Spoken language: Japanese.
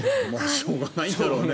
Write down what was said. しょうがないんだろうね。